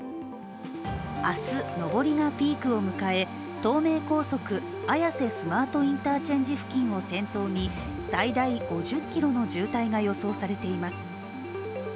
明日上りがピークを迎え東名高速綾瀬スマートインターチェンジ付近を先頭に最大５０ｋｍの渋滞が予想されています。